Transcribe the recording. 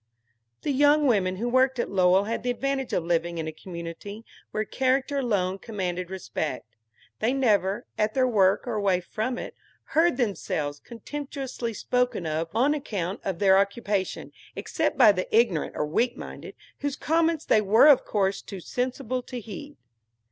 The young women who worked at Lowell had the advantage of living in a community where character alone commanded respect. They never, at their work or away from it, heard themselves contemptuously spoken of on account of their occupation, except by the ignorant or weak minded, whose comments they were of course to sensible to heed.